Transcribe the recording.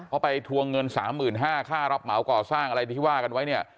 เขาไปทวงเงิน๓๕๐๐ค่ารับเหมาก่อสร้างอะไรที่ว่ากันไว้เนี่ย